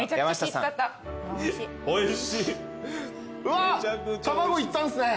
うわ卵いったんすね。